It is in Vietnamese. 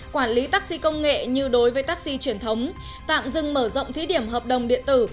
quản lý taxi công nghệ như đối với taxi truyền thống tạm dừng mở rộng thí điểm hợp đồng điện tử